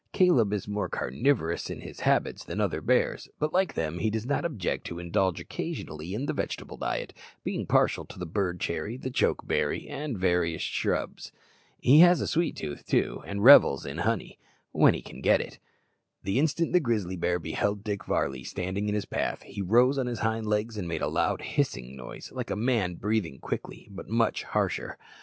Caleb is more carnivorous in his habits than other bears; but, like them, he does not object to indulge occasionally in vegetable diet, being partial to the bird cherry, the choke berry, and various shrubs. He has a sweet tooth, too, and revels in honey when he can get it. The instant the grizzly bear beheld Dick Varley standing in his path, he rose on his hind legs and made a loud hissing noise, like a man breathing quick, but much harsher.